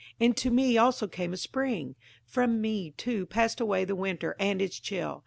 And to me also came a spring! From me, too, passed away the winter and its chill!